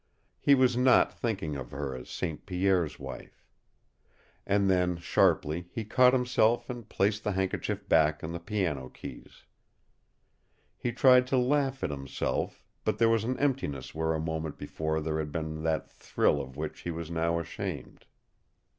He was not thinking of her as St. Pierre's wife. And then sharply he caught himself and placed the handkerchief back on the piano keys. He tried to laugh at himself, but there was an emptiness where a moment before there had been that thrill of which he was now ashamed.